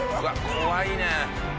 怖いね。